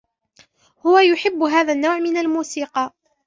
هو يحب هذا النوع من الموسيقى.